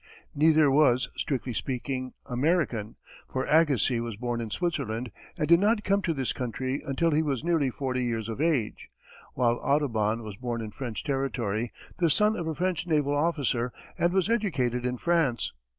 Neither was, strictly speaking, American, for Agassiz was born in Switzerland and did not come to this country until he was nearly forty years of age; while Audubon was born in French territory, the son of a French naval officer, and was educated in France.